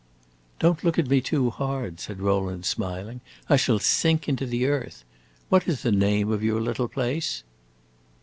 "Don't look at me too hard," said Rowland, smiling. "I shall sink into the earth. What is the name of your little place?"